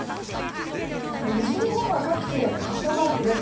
西日本は各地で傘マークです。